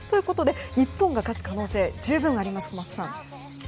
日本が勝つ可能性十分あります、小松さん。